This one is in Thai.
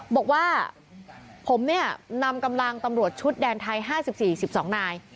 บอกว่าผมเนี่ยนำกำลังตำรวจชุดแดนไทย๕๔๑๒นาย